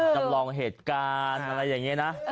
จำลองเหตุการณ์อะไรอย่างนี้นะ